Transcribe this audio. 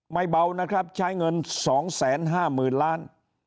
ไม่เบานะครับใช้เงิน๒๕๐๐๐ล้าน